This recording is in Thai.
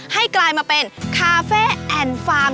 กลายมาเป็นคาเฟ่แอนด์ฟาร์ม